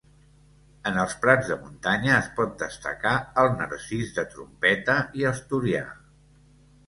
En els prats de muntanya es pot destacar el narcís de trompeta i asturià.